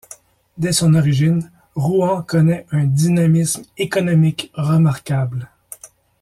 Dès son origine, Rouen connaît un dynamisme économique remarquable.